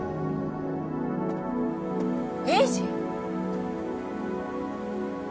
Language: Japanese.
栄治！？